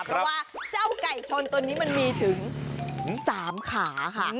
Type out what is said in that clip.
เพราะว่าเจ้าไก่ชนตัวนี้มันมีถึง๓ขาค่ะ